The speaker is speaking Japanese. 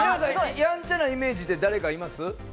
やんちゃなイメージで誰かいます？